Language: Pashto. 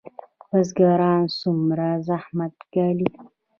بزګران څومره زحمت ګالي؟